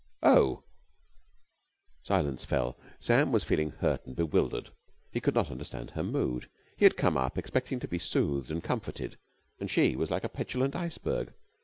"Oh!" Silence fell. Sam was feeling hurt and bewildered. He could not understand her mood. He had come up expecting to be soothed and comforted and she was like a petulant iceberg.